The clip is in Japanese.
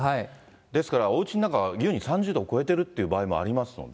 ですから、おうちの中は、優に３０度を超えてるという場合もありますので。